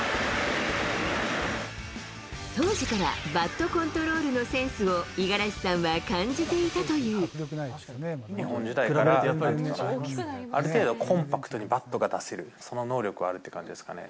当時からバットコントロールのセンスを、五十嵐さんは感じていた日本時代からある程度、コンパクトにバットが出せる、その能力はあるっていう感じですかね。